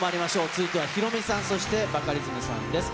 続いてはヒロミさん、そしてバカリズムさんです。